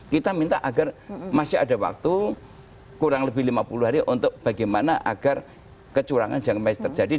kita minta agar masih ada waktu kurang lebih lima puluh hari untuk bagaimana agar kecurangan jangan terjadi